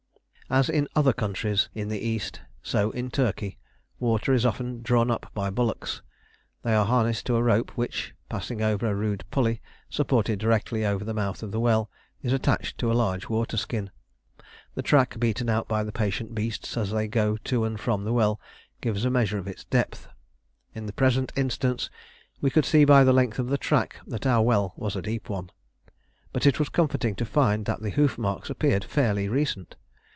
As in other countries in the East, so in Turkey, water is often drawn up by bullocks: they are harnessed to a rope which, passing over a rude pulley supported directly over the mouth of the well, is attached to a large waterskin. The track beaten out by the patient beasts as they go to and from the well gives a measure of its depth. In the present instance, we could see by the length of the track that our well was a deep one; but it was comforting to find that the hoof marks appeared fairly recent.